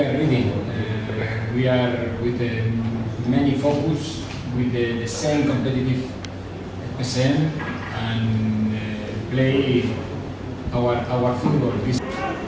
tapi kita benar benar berfokus dengan persen yang berkumpul dan memainkan tangan kita